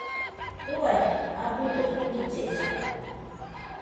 Uaido, abɨdo ie billesa.